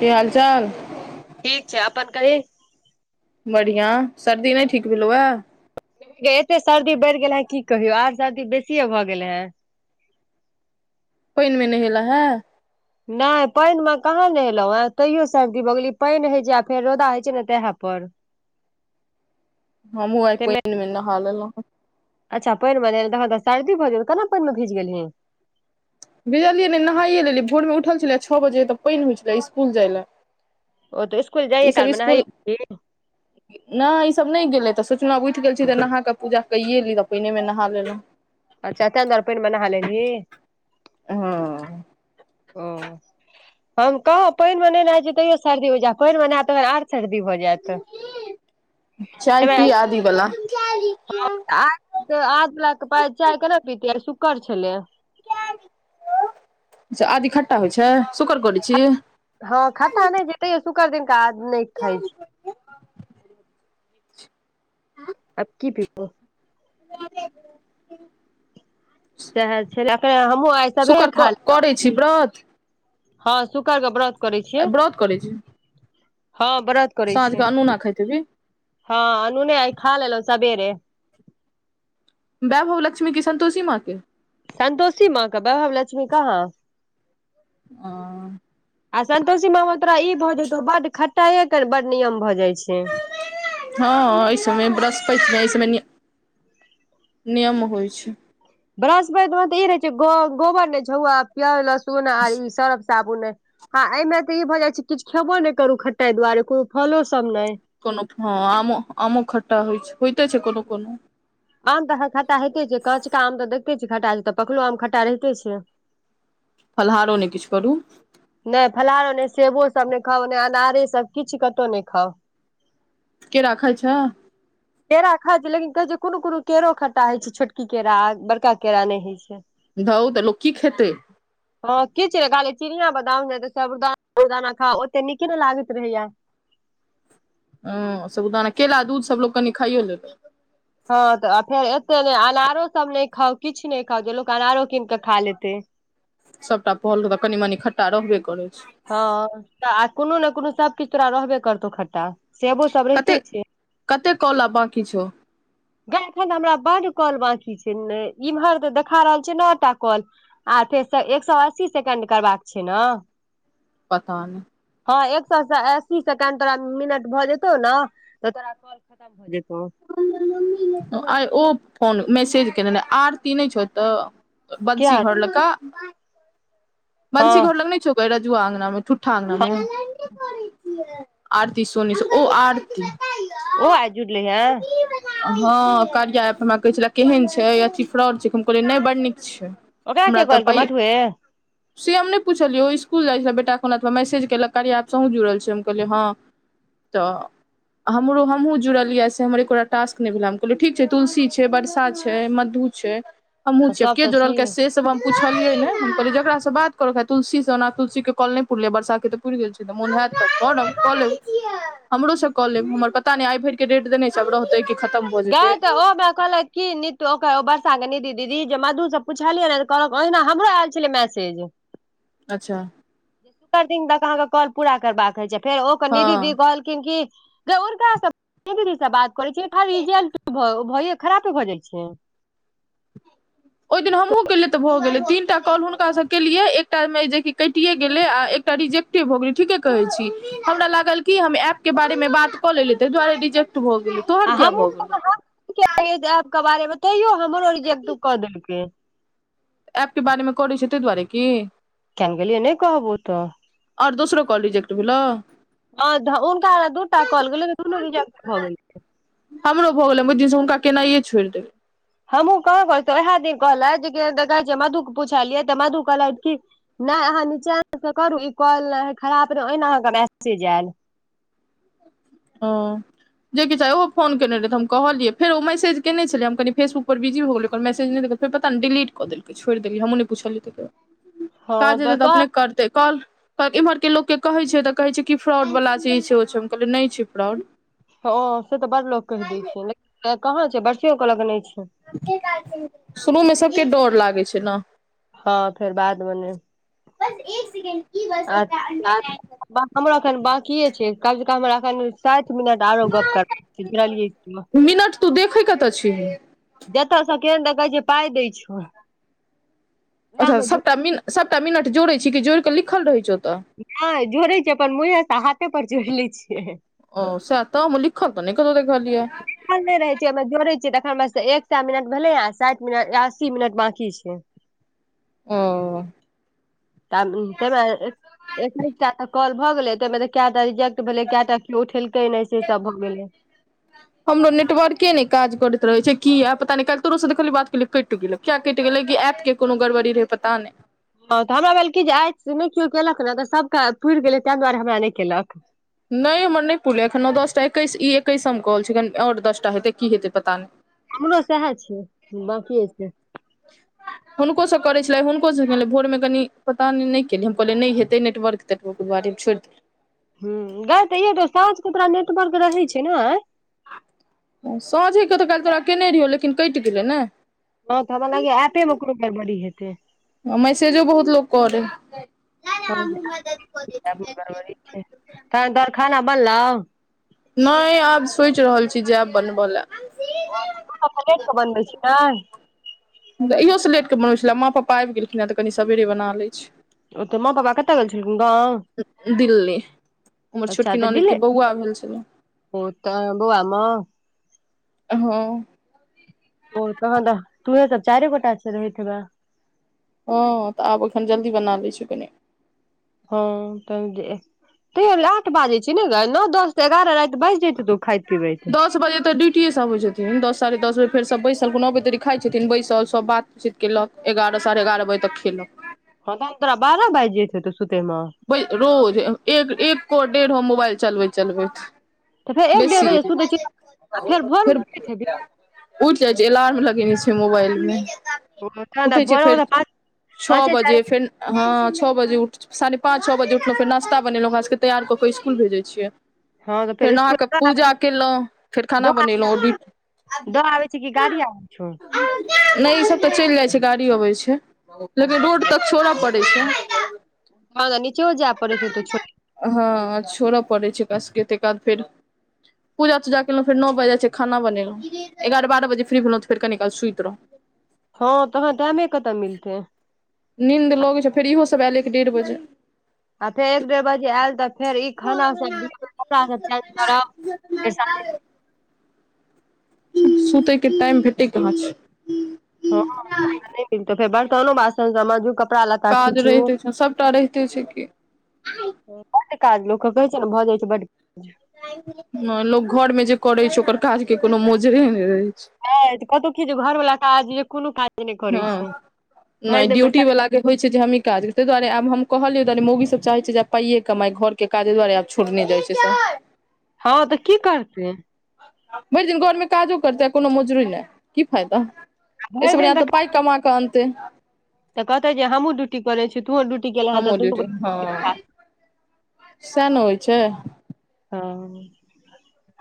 की हाल चाल ठीक छै अपन कही बढ़ियाँ सर्दी नहि ठीक भेलौ हए गै एते सर्दी बढ़ि गेल हे की कहियौ आर सर्दी बेसिए भऽ गेले हेन पइन मे नहेले हँ नहि पानि मे कहाँ नहेलहुँ हें तैयो सर्दी भऽ गेली पानि होइ छै आ फेर रौदा होइ छै ने तेह पर हमहूँ आइ ताहिमे पानि मे नहा लेलौं अच्छा पानि मे सर्दी भऽ गेल केना पानि मे भीज गेलहीन भीजलियै नहि नहाइए लेलियै भोरमे उठल छलियै छओ बजे तऽ पानि होइत छलै स्कूल जाइ लए ओ तऽ स्कुल ई जाइयए सब कालमे स्कूल न [unintelligible] नहि ईसभ नहि गेलै तऽ सोचलहुँ उठि गेल छी तऽ नहा कऽ पूजा कैए ली तऽ पइनेमे नहा लेलहुँ अच्छा तैं दुआरे पानि मे नहा लेलही हँ ओ हम कहो पानि मे ने नेय छी तैयो सर्दी हो जा पानि मे नहा त आर सर्दी भऽ जेबाई चाय आई पी आदी बला अच्छा [unintelligible] तऽ आदवला के पाय चाय केना पीते शुक्कर छलै आदी खट्टा होइ छै शुकरकरै छी हँ खटा नहि छै तैयो शुक्र दिन क आद नहि खाई छी अब की सएह छलै कनी हमहुँ आई सबेरे खालेय छि ब्रत हँ शुकर के व्रत करै छियै व्रत करै छी हँ व्रत करै साँझ क छियै अनुना खाइत हेभही हँ अनूने आई खा लेलौं सबेरे वैभव लक्ष्मी की संतोषी माँ के संतोषी मा के वैभब लक्ष्मी कहाँ ह आ सन्तोषी मा तोरा ई भऽ जेतौ बड खटाइे के बड नियम भऽ जाय छै हँ ऐयसमेय ब्रस्पैत् में अई समय नियम होइ छै बृहस्पति मे तऽ ई रहे छै गोबर ने छुउ आ प्याज लहसुन आ ई सरफ साबुन आ ऐ मे त ई भऽ जाय छै किछ खेबो नहि करु खटटा दुआरे कोनो फलो सब ने कोनो हँ ओ आमो आमों खट्टा होइ छै कोनो कोनो आम तऽ ह खटा होेते छै काचका आम तऽ देखते छि खटा छै तऽ पकलो आम खट्टा रहिते छै फलहारो ने किछु करू नहि फलहारो नहि सेबो सब नहि खाउ नहि अनारे सब किछ कतहु नहि खाउ केरा खाई छें केरा खाइ छै लेकिन कहै छै जे कोनो कोनो केरो खट्टा होइ छै छोटकी केरा बड़का केरा नहि होइ छै धउ तऽ लोक की खेतै हँ की छै खाली चिनिया बदाम ने त साबुदाना खाउ ओते नीके ने लागैत रहैया हुं साबुदाना केला दूध सब लोक कनि खायो लेतै हँ तऽ फेर एते नहि अनारो सब नहि खाउ किछु नहि खाउ जे लोक अनारो कीन कऽ खा लेते सबटा फल तऽ कनी मनी खट्टा रहबे करै छै हँ तऽ आ कोनो ने कोनो सबकिछु तोरा रहबे करतौ खट्टा सेबो सब कते रहिते छै कते कॉल आब बाँकी छौ गै एखन तो हमरा बड काॅल बाकी छै इम्हर तऽ देखा रहल छै नऽटा काॅल आथे एक सए अस्सी सेकेंड करबाक छै ने पता नहि हँ एक सए अस्सी सेकेंड तोरा मिनट भऽ जेतौ ने तोरा खतम भ जेतौ आइ ओ फोन मैसेज केने रहे आरती नहि छौ एतऽ किया बंसी घर लऽ का बंसी हँ घर लग नहि छौ रजुआ अंगना मे ठूठा अंगना हँ मे आरती सोनी छै ओ आरती ओहो आय जुरलै हे हँ कारिया एप हमरा कहै छल केहन छै अथी फ्रॉड छै हम कहलियै नहि बड़ नीक छै ओकरा हमरा के तऽ कहलकै पाइ मधुए से हम नहि पुछलियै ओ स्कूल जाइत छल बेटा के आनो मैसेज केलक कारया एप सँ अहूॅं जुड़ल छी हम कहलियै हँ तऽ हमरो हमहुं जुड़ल ये से हमर एको टास्क नहि भेले हम कहलियै ठीक छै तुलसी छै बरसा छै मधु हमहु छियै से आब सब के तऽ जोड़ल छैहे से सब हम पुछलियै ने हम कहलियै जकरा बात कऽरऽ के हेत तुलसी स ओना तुलसी के काॅल नहि पुरलै या बरसा के तऽ पूईर गेल छै तऽ मन हेत तऽकरब कऽ लेब हमरो सऽ कऽ लेब हमर पता ने आइ भैर के डेट देने छै आब रहते की नै गै तऽ ओ हमरा कहलैक की नीतू आ ओकर बर्सा के नीदी दीदी जे मधु स पुछलियैन हे त कहल ओहिना हमरो आयल छलै मैसेज अच्छा शुकर दिन तक अहाँके कॉल पूरा करबाक होइ छै फेर ओकर निधि दि हँ कहल खिन कि उनका सब दीदी से बात करै छियै रिजक्ट भ खराबे भऽ जाइ छै ओहि दिन हमहुँ केलियै तऽ भऽ गेलै तीन टा कॉल हुनका से केलियै एकटा मे जे कैटिये गेले आ एकटा रिजेक्टे भ गेल ठीके कहे छी हमरा लागल की हम ऐप के बारे मे बात कऽ लेलियै ताहि दुआरे रिजेक्ट भऽ गेले आ तोहर किया हमहूँ भ गेलौ ऐप के बारे मे तैयो हमरो रिजेक्ट कऽ देलकै ऐप के बारेमे करै छै तै दुआरे की कियाने गेलियै नै कहबौ तऽ आओर दोसरो कॉल रिजेक्ट भेलौ ह हुनका दू टा कॉल गेलै दुनू रिजेक्ट भऽ गेल हमरो भऽ गेलै ओय दिन से हुनक केनाइए छोड़ि देलियै हमहू कहाँ कहै उहे दिन कहल क जे कहै मधुक पुछालिय तऽ मधु कहलक की नहि अहाँ नीचा से करू ई कॉल खराब रह ओहिना अहाँके मैसेज आयल [inaudible] ह जे किछ च ओहो फोन केने रहे त हम कहलियै फेर ओ मैसज केने छलियै हम कनी फेसबुक पर बिजी भऽ गेलियै मैसेज नहि फेर पता नहि डिलीट क देलकै छोड़ देलियै हमू नहि पूछलै त काजा हैतै तऽ अपने करते कल एम्हरके लोकके कहैत छै तऽ कहैत छै कि फ्रॉडवला चीज छै ओहि सभमे कहलियै नहि छै फ्रॉड ह ओ से तऽ बड़ लोक कहि दै छै कहाँ छै बरसियो के लग नहि छै शुरूमे सबके डर लागै छै ने हँ फेर बाद बने आ [unintelligible] हमरो एखन बाकिए छै कम से कम हम एखन साठ मिनट आरो गप करबुझलियै [unintelligible] मिनट तू देखै कतऽ छिही जतऽ सब केहन देख कहै छै पाई दै छौ वएह अच्छा मे सभटा मिन सभटा मिनट जोड़ैत छी कि जोड़ि कऽ लिखल रहैत छै ओ तऽ नै जोड़ै छीयै अपन मुँहे से हाथे पर जोड़ि लै छियै ओ सेह त हमहु लिखल तऽ नहि कतौ देखलिऐ लिखल नहि रहै छै ओयमे जोड़ै छियै तखन एक सए मिनट भेलै आ साठि मिनट या अस्सी मिनट बाकी छै ओ त तमे एकैटा तऽ कल भऽ गेलै ताहिमे तऽ क कएटा रिजेक्ट भेलै कटा केओ उठेलकै नहि से सब भऽ गेलै हमरो नेटवर्के ने काज करैत रहे छै की पता किये कायल तोरो से बात केलिय किये कट गेले किया कटि गेलेै ऐप के कोनो गड़बड़ी रहै पता नहि हँ तऽ हमरा भेल कि जे आइ से नहि केओ केलक ने तऽ सभके पूरि गेलै ताहि दुआरे हमरा नहि केलक नहि हमर नहि पुरलै एखऩ नो दस टा एकैस ई एकैसम काॅल छै एखन आओर दसटा हेतै की हेतै पता नहि हमरो सएह छै बाकिए छै [inaudible] हुनकोसभ करैत छलै हुनकोसभ कहै भोरमे कनि पता नहि केलियै हम कहलियै नहि हेतै नेटवर्क तऽ ओकर बआ छोड़ि [unintelligible] ह गाय तऽ त साँझ के तोरा नेटवर्क रहै छै ने साँझेके तऽ काल्हि तोरा केयने रहियो लेकिन कटि गेलै ने हँ तऽ हमरा लागै ऐपे मे कोनो गड़बड़ी हेतै मेसेजो बहुत लोक कर हँ ऐप मे गड़बड़ी तहन तोहर खाना बनलउ नहि आब सोचि रहल छी जायब बनबय लए ओ तु सब तो लेट स बनबै छी ने तऽ इहोसँ लेट कऽ बनै छलै माँ पापा आबि गेलखिन हँऽ कनि सबेरे बना लै ओते माँ पप्पा कत गेल चलखुन गांव दिल्ली हमर अच्छा छोटकी तऽ दिल्ली ननदिके बौआ भेल छलै ओ तऽ बौआ मे हँ ओ तहन तऽ तु हे त चारि गोटा स रहित हैबे हँ तऽ आब एखन जल्दी बना लै छी कनि हँ त तैयो आठ बाजै छी ने ग नओ दस तऽ एगारह राति बाजि जेतै तू खाइत पिबैत दस बजे तऽ डूटीएसब अबै छथिन दस साढ़े दस बजे फेर सब बैसल कोनो अबैतऽ देरी खा छथिन बैसल सब बातचीत केलक एगारह साढ़े एगारह बजे तक खेलक हँ तहन तोरा बारह बाज जाइत हेतौ सुतेमे रोज एक एक को डेढ़ हो मोबाईल चलबैत चलबैत तऽ फेर एक डेढ़ बेसीय बजे सुतै छी आ भोर मे फेर उठैत उठि जाइ छै अलार्म लगेने छै मोबाइल मे हेबही तहन उठै छै भोरे मे फेर तऽ पाँच छ पाँचे बजे चारि फेर हँ छओ बज उठ साढ़े पाँच छओ बजे उठलहुँ फेर नाशता बनेलहुँ ओरका सबके तैयार कऽ कऽ स्कूल भेजै छियै हँ तऽ फेर स्कूल नहाकऽ दऽ आबै पूजा केलहुँ फेर खाना दऽ बनेलहुँ भी दऽ आबै छ की गाड़ी आबै छौ नहि ई सब तऽ चलि जाइत छै गाड़ी अबैत छै लेकिन रोड तक छोड़ऽ पड़ैत छै ह नीचा जाय पड़ै त छ हँ छोड़ा पड़ै छै ओकरा सब के अते काल फेर पूजा तूजा केलौं फेर नौ बाइज जाइत छै खाना बनेलहुँ एगार बारह बजे फिरी भेलहुँ तऽ फे काल सुइत रहौ हँ तहाँ टाईमे कतऽ मिलतै नीन्द लगै छै फेर इहो सभ आयल एक डेढ़ बजे आ फेर एक डेढ़ बजे आयल तऽ फेर ई खाना सब दि बच्चाभ चेज करब फ सुतयके टाईम भेटै कहाँ छै हँ फेर त बरतनो बासन सब माजू काज रहिते छै सभटा रहिते छै की बड काज लोकके कहै छै ने भऽ जाई छै बड नै लोक घर मे जे करै छै ओकर काज के कोनो मोजरे नहि रहै छै कतौ कि घर वाला काज य कोनो काज नहि करै हँ छै भरि नहि दिन ड्यूटी बैसल वला होइ छै हमी काज ता दुआरे आब हम कहलियौआ मौगी सब चाह छै जे पाइय कमाइ घर के काजे दुआरे आब छोड़ नहि जाइ छै से हँ तऽ की करते भरि दिन घरमे काजो करतै कोनो मोजरे नहि की फायदा एहिस भरि स बढ़िया दिन तऽ पाइ कमा कऽ अन्तै तऽ कहतै जे हमहँ ड्यूटी करै छी तोहूं डयूटीे गेलहेऽ हमहुँ दुनू ड्यूटी हँ सएह न होइ छै हँ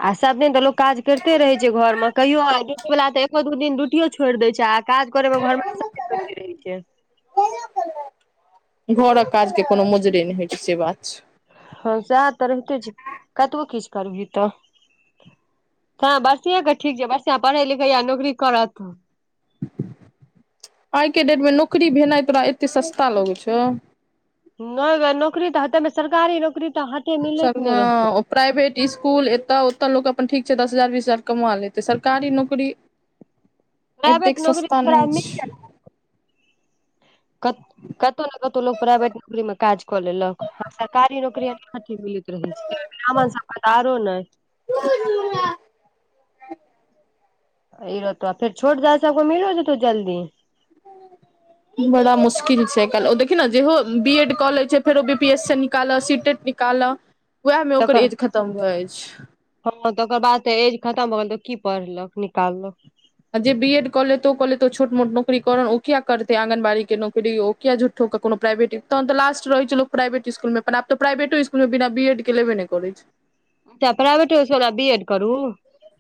आ सब दिन तक लोक काज करिते रहै छै घरमे कहियो ड्यूटी वला तऽ एको दु दिन ड्यूटियो छोड़ि दै छै आ काज करैमे घरमे आ [unintelligible] घरऽक काजके कोनो मोजरे नहि होइ छै से बात हँ सएह तऽ रहिते छै कतबो किछु करबही तऽ बसिंया के ठीक छै बसिआं पढ़े लिखै यै नौकरी करत आइ के डेट मे नौकरी भेनाइ तोरा एते सस्ता लगै छौ नहि गे नौकरी तऽ हेतै सरकारी नौकरी तऽ ह संग प्राइवेट स्कूल एतऽ ओतय लोक अपन ठीक छै दस हजार बीस हजार कमा लेतै सरकारी नौकरी एतेक प्राइवेट नौकरी सस्ता तोरा नहि छै क कतहु ने कतहु लोक प्राइवेट नौकरी मे काज कऽ लेलक सरकारी नौकरी अ मिलैत रहै छै तै में तो हमरा सभ के त आरो नहि तू ई रहतो फेर छोट जात सब के मिलो जे तो जल्दी ह [inaudible] बड़ा मुश्किल छै आइ काल्हि ओ देखी ने जेहो बी एड कऽ ले छै फेरो बी पी एस सी निकाल सी टेट निकालऽ उएहमे ओकर तकर एज खतम भऽ जाइ छै हँ त ओकर बाद तऽ एज खतम भ गेल तऽ की पढ़लक निकालक जे बी एड कऽ लेऽ लेैतो छोट मोट नौकरी कर ओ किया करते आँंगनबाड़ी के नौकरी ओ किया झु को प्राइवेट तऽ लास्ट रह छै लोक प्रइवेट स्कूल आब तऽ प्राइवेटों स्कुल मे बिना बी ए के लेबे नहि करैत छै किया प्राभेट स्कूल ले बिएड करू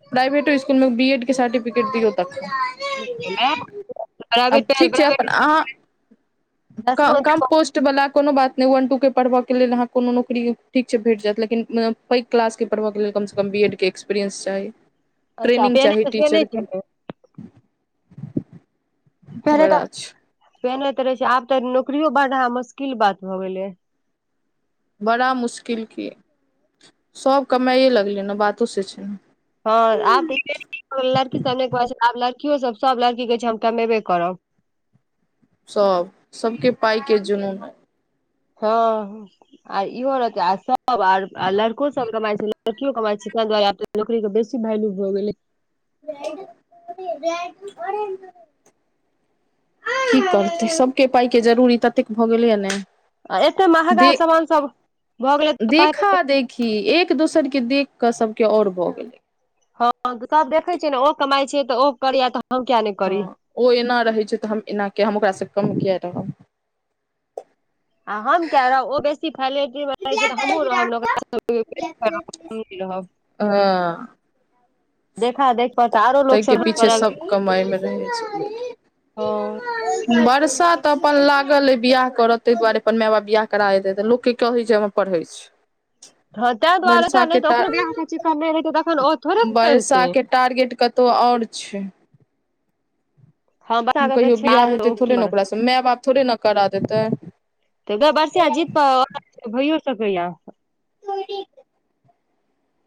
प्राइवेटो स्कूल मे बी एड के सर्टिफिकेट दियौ तखन आब प्राइवेट ठीक छै प्राइवेट अपन अहाँ दसमा कम तक पोस्ट वला कोनो बात नहि वन टू के पढ़बऽ के लेल अहा कोनो नौकरी ठीक छै भेट जायत लेकिन पै क्लास के पढ़बऽ के लेल कम से कम बी ए के् सक्सपीरियएं चाहि अच्छा पेने त से नहि छलै बड़ा मुश्किल की पेन त रहे छै आब तऽ नौकरीयो बढ़ह मुश्किल बात भ गेलै बड़ा मुश्किल की सभ कमाइए लगलै ने बातो से छै ने हँ आब तऽ लड़की सब नहि कहै छै आब लड़कियो सब सब लड़की कहै छै हम कमेबे करब सब सबके पाई के जुनून है हँ आर इहो रहते आ सब आर लड़को सब कमाई छै लड़कियो कमायई छै ताहि दुआरे आब नौकरीके बेसी वैल्यू भऽ गेलै ड आ [unintelligible] की करतै सभके पाइके जरूरी ततेक भऽ गेलैया ने आ एते महंगा दे सामान सब भऽ गेलै देखा देखी एक दोसर के देख क सब के और भए गेलै हँ सब देखै छियै ने ओ कमाइ छै तऽ ओ करी आ तऽ हम किया नहि करी हँ ओ एना रहैत छै तऽ हम एना क हम ओकरासँ कम किए रहब आ हम किया रहब ओ बेसी फैलट मे रहै छै तऽ हमूँ [unintelligible] रहब को क ह [inaudible] हँ देखा देख प तऽ आरो लोक ताहिके पीछे सभ कमाइमे रहै छै ह वर्षा तऽ अपन लागल अइ बियाह करत ताहि दुआरे अपन माय बाप बियाह करा देते तऽ लोकके कहै छै हम पढ़ै छी [inaudible] ताहि दुआरे वर्षा तऽ नहि के त ओकरोह चिक् [unintelligible] का नहि रहेतै तखन थोड़े करितै वर्षाके टारगेट कतहुँ आओर छै हँ बच्चा के तऽ कहियो छै बियाह आरो हेतै ओ की थोड़े करत ने ओकरासँ माय बाप थोड़े ने करा देतै तऽ बर्षा जीत भैयो सैक्या त [inaudible]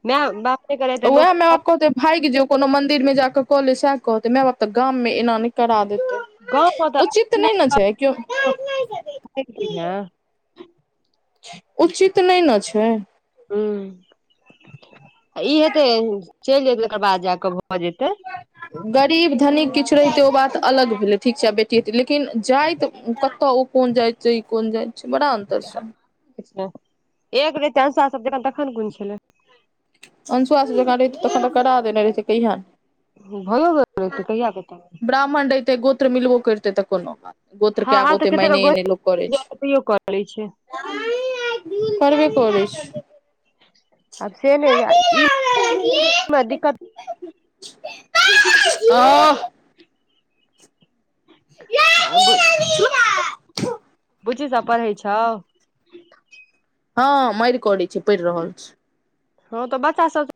माय बाप नहि करे तऽ लोक ओएहमेपको [unintelligible] भागि जो कोनो मंदिर मे जाकऽ कऽले सएह कहतै माय बाप तऽ गाम मे एना नहि करा देते गाँवमे उचित नहि ने छै कयो [unintelligible] उचित नहि ने छै ह ई हेतै चलि जेतै तकर बाद ज कऽ भऽ जेतै [inaudible] गरीब धनीक किछु रहितै ओ बात अलग भेलै ठीक छै आ बेटीतै लेकिन जाइत कतऽ ओ कोन जाइत जई कोन जाइ छै बड़ा अंतर छै एक रहियै अंशुआ सब जन तखन कोन छलै अंशुआ से ज र तऽ करा देने रेत की ह भऽ यो गेल रैहतै कहिया नै ब्राह्मण रहिते गोत्र मिलबो करते तऽ कोनो गोत्र के आब ओते मायने एने लोक करे छै तैयो करै छै [unintelligible] करबे करय छै मै दिकत [unintelligible] ओह ह आ ब [inaudible] [unintelligible] बुच्छी सब पढ़ई छौ हँ मारि करय छै पड़ि रहल छै ह तऽ बच्चा सब